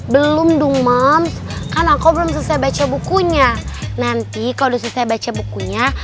belum dong mom kan aku belum selesai baca bukunya nanti kau sudah selesai baca bukunya